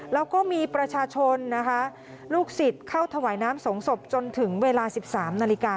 แล้วก็มีประชาชนนะคะลูกศิษย์เข้าถวายน้ำสงศพจนถึงเวลา๑๓นาฬิกา